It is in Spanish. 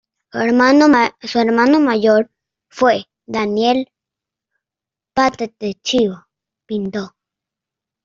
Su hermano mayor fue Daniel "Pata de Chivo" Pinto.